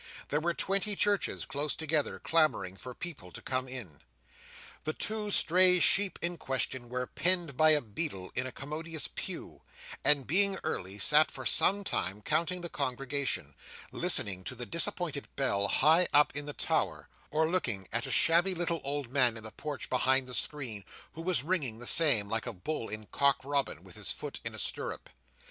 There were twenty churches close together, clamouring for people to come in. The two stray sheep in question were penned by a beadle in a commodious pew, and, being early, sat for some time counting the congregation, listening to the disappointed bell high up in the tower, or looking at a shabby little old man in the porch behind the screen, who was ringing the same, like the Bull in Cock Robin, with his foot in a stirrup.